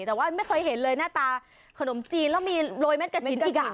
แต่ว่าไม่เคยเห็นเลยหน้าตาขนมจีนแล้วมีโรยเม็ดกระถิ่นอีก